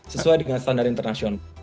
sesuai dengan standar internasional